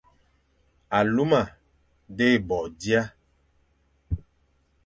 Aluma dé bo dia,